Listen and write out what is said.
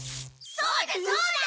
そうだそうだ！